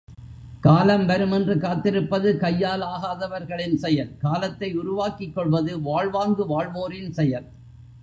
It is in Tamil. காலம் வரும் என்று காத்திருப்பது கையாலாகாதவர்களின் செயல் காலத்தை உருவாக்கிக் கொள்வது வாழ்வாங்கு வாழ்வோரின் செயல்.